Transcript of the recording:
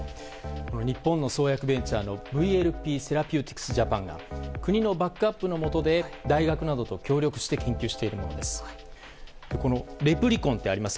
日本の創薬ベンチャーのＶＬＰセラピューティクス・ジャパンが国のバックアップのもとで大学などと協力して研究しているものです。